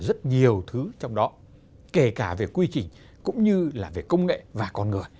rất nhiều thứ trong đó kể cả về quy trình cũng như là về công nghệ và con người